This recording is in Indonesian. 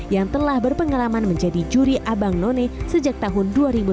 yang telah berpengalaman menjadi juri abang none sejak tahun dua ribu delapan